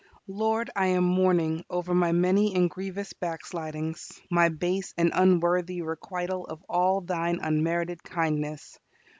Lord, I am mourning over my many and grievous backslidings, my base and unworthy requital of all Thine unmerited kindness.